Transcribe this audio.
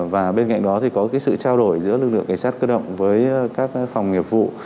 và bên cạnh đó thì có cái sự trao đổi giữa lực lượng cảnh sát cơ động với các phòng nghiệp vụ